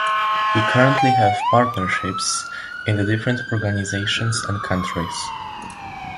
We currently have partnerships in different organizations and countries.